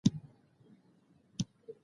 علي په شاتوري خره بارونه وړي.